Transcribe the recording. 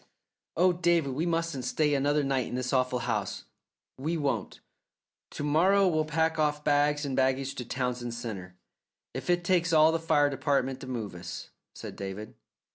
"Oh, David, we mustn't stay another night in this awful house." "We won't. To morrow we'll pack off bag and baggage to Townsend Centre, if it takes all the fire department to move us," said David.